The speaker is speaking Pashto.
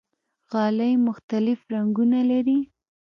غالۍ مختلف رنګونه لري.